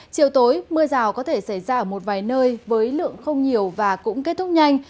chiều tối mưa rào có thể xảy ra ở một vài nơi với lượng không nhiều và cũng kết thúc nhanh